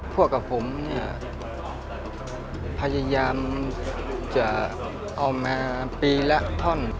พวกกับผมพยายามจะเอามาปีและคร่อน